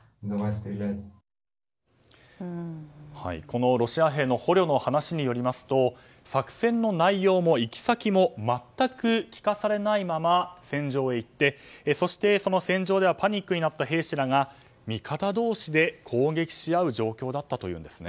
このロシア兵捕虜の話によると作戦の内容も行き先も全く聞かされないまま戦場へ行ってその戦場ではパニックになった兵士らが味方同士で攻撃し合う状況だったというんです。